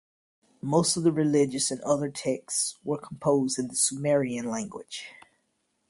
Most of the religious and other texts were composed in the Sumerian language.